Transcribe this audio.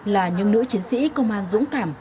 là những nữ chiến sĩ công an dũng cảm